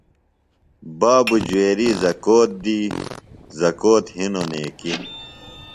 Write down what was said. بابوۡ جویری زکُوت دی، زکُوت ہِنوۡ نیکیۡ